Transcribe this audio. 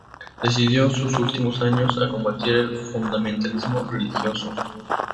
Dedicó sus últimos años a combatir el fundamentalismo religioso.